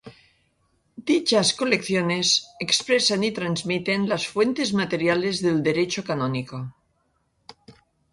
Dichas colecciones expresan y transmiten las fuentes materiales del Derecho Canónico.